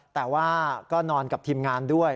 แต่ว่าก็นอนกับทีมงานด้วย